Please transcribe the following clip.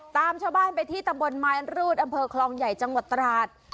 ตามชาวบ้านไปที่ตำบลไม้รูดอำเภอคลองใหญ่จังหวัดตราด